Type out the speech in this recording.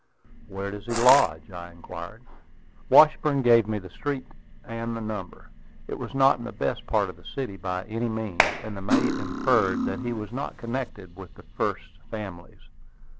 "Where does he lodge?" I inquired. Washburn gave me the street and number. It was not in the best part of the city by any means; and the mate inferred that he was not connected with the "first families."